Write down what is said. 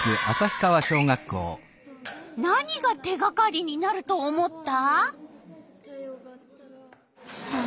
何が手がかりになると思った？